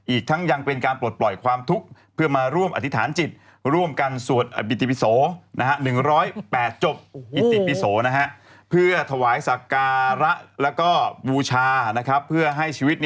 อีกทั้งยังเป็นการปลดปล่อยความทุกข์เพื่อมาร่วมอธิษฐานจิต